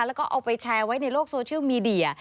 แล้วก็เอาไปแชร์ไว้ในโลกโซเชียลมีเดีย